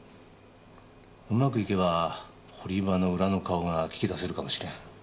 うまくいけば堀場の裏の顔が聞き出せるかもしれん。